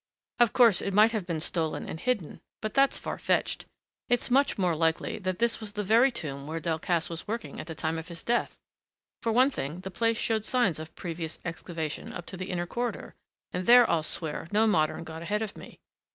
Of course it might have been stolen and hidden but that's far fetched. It's much more likely that this was the very tomb where Delcassé was working at the time of his death. For one thing, the place showed signs of previous excavation up to the inner corridor, and there I'll swear no modern got ahead of me.